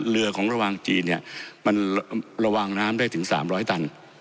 เรือของระหว่างจีนเนี่ยมันระวังน้ำได้ถึง๓๐๐ตัน